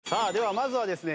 まずはですね